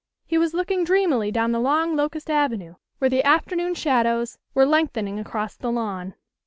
He was looking dreamily down the long locust avenue where the afternoon shadows were lengthening across the lawn.